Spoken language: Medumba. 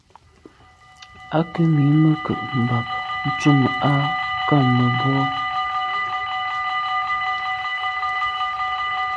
À ke mi meke’ mbàb ntùn à kàm mebwô il mache bien.